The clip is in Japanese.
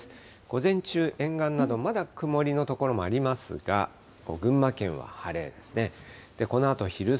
午前中、沿岸などまだ曇りの所もありますが、群馬県は晴れですね。